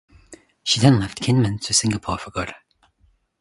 She then left Kinmen to Singapore for good.